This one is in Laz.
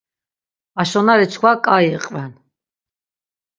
Aşonari çkva ǩai iqven.